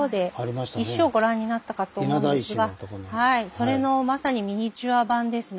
それのまさにミニチュア版ですね。